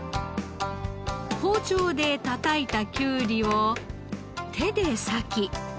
包丁でたたいたきゅうりを手で割き。